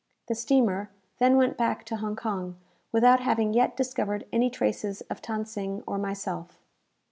The steamer then went back to Hong Kong, without having yet discovered any traces of Than Sing or myself.